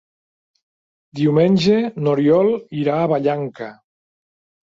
Diumenge n'Oriol irà a Vallanca.